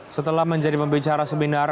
setelah menjadi pembicara seminar